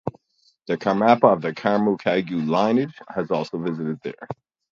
The Karmapa of the Karma Kagyu lineage has also visited there.